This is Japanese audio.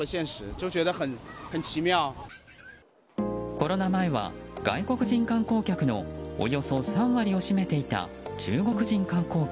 コロナ前は外国人観光客のおよそ３割を占めていた中国人観光客。